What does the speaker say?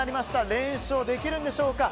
連勝できるんでしょうか。